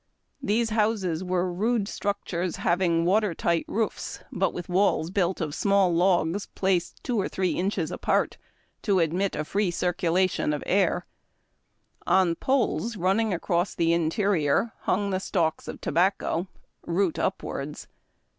These houses were rude structures, having water tight roofs, but with walls built of small logs placed two or three inches apart, to admit a free circulation of air. On poles running across the interior hung the stalks of tobacco, root upwards.